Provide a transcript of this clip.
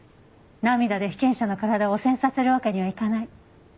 涙で被験者の体を汚染させるわけにはいかない。